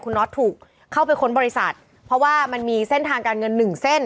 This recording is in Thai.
คุณน็อตถูกเข้าไปค้นบริษัทเพราะว่ามันมีเส้นทางการเงินหนึ่งเส้น